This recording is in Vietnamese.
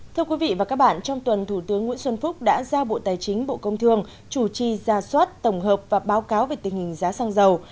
thưa quý vị và các bạn trong tuần thủ tướng nguyễn xuân phúc đã giao bộ tài chính bộ công thương chủ trì ra soát tổng hợp và báo cáo về tình hình giá xăng dầu